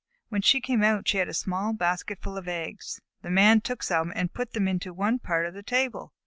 When she came out she had a small basketful of eggs. The Man took some and put them into one part of the table.